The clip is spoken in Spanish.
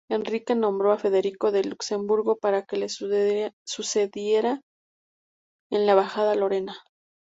Enrique nombró a Federico de Luxemburgo para que le sucediera en la Baja Lorena.